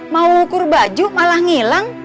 mau ngukur baju malah ngilang